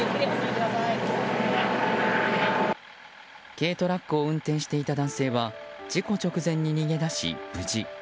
軽トラックを運転していた男性は事故直前に逃げ出し、無事。